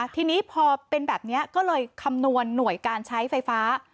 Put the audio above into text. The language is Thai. ทีนี้พอเป็นแบบนี้ก็เลยคำนวณหน่วยการใช้ไฟฟ้า